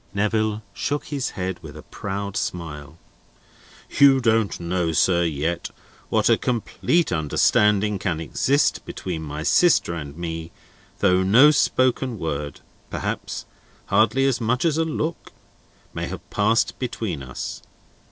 Neville shook his head with a proud smile. "You don't know, sir, yet, what a complete understanding can exist between my sister and me, though no spoken word—perhaps hardly as much as a look—may have passed between us.